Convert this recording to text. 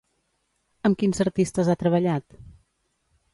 Amb quins artistes ha treballat?